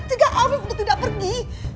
cegah afif untuk tidak pergi